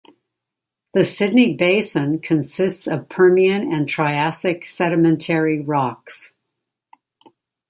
The Sydney Basin consists of Permian and Triassic sedimentary rocks.